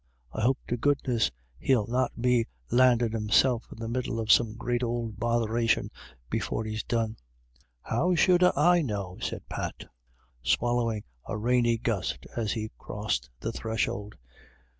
I hope to goodness he'll not be landin* himself in the middle of some great ould botheration before he's done." w How should — ah — I know ?" said Pat, swallow ing a rainy gust as he crossed the threshold.